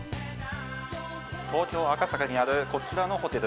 東京・赤坂にあるこちらのホテル。